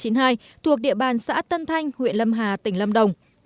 thuộc địa bàn xã tân thanh huyện lâm hà tỉnh lâm đồng